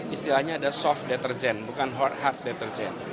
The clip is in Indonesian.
istilahnya ada soft deterjen bukan hard heart deterjen